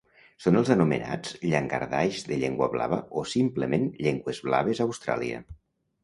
Són els anomenats llangardaix de llengua blava o simplement llengües blaves a Austràlia.